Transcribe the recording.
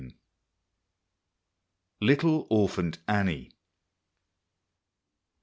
LITTLE ORPHANT ANNIE.